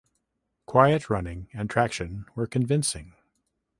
Quiet running and traction were convincing.